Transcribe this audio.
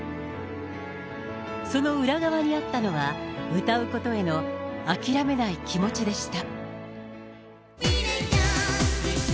その裏側にあったのは、歌うことへの諦めない気持ちでした。